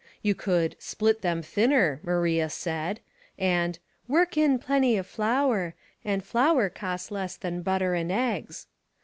You could " split them thinner," Maria said, and " work in plenty of flour, and flour cost less than butter and eggs."